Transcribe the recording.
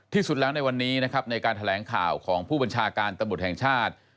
ที่สุดแล้วในวันนี้นะครับในการแถลงข่าวของผู้บัญชาการตำรวจแห่งชาติ